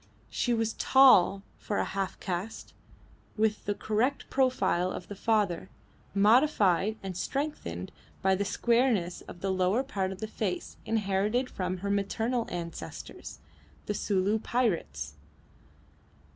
She was tall for a half caste, with the correct profile of the father, modified and strengthened by the squareness of the lower part of the face inherited from her maternal ancestors the Sulu pirates.